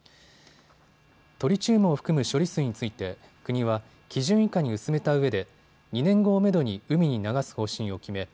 トリチウムを含む処理水について国は基準以下に薄めたうえで２年後をめどに海に流す方針を決め